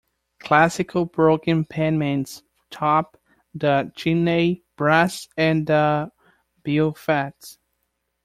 Classical broken pediments top the chimney breast and the beaufats.